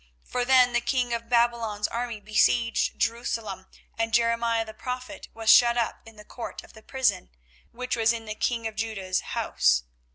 24:032:002 For then the king of Babylon's army besieged Jerusalem: and Jeremiah the prophet was shut up in the court of the prison, which was in the king of Judah's house.